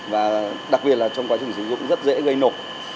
và đặc biệt là trong quá trình sử dụng rất dễ gây nổ